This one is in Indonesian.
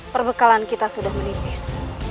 perbekalan kita sudah menipis